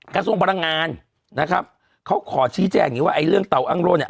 กระทรวงพลังงานนะครับเขาขอชี้แจงอย่างนี้ว่าไอ้เรื่องเตาอ้างโล่เนี่ย